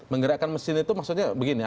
menggerakkan mesin itu maksudnya begini ya